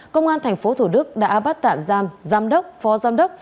công an tp thủ đức đã bắt tạm giam giam đốc phó giam đốc